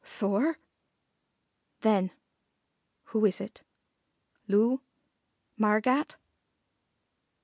Thor?" Then, "Who is it? Loo? Margat?"